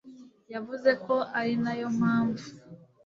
Yavuze ko ari na yo mpamvu